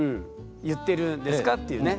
言ってるんですかっていうね。